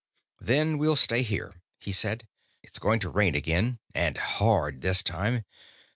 "Then we'll stay here," he said. "It's going to rain again, and hard this time.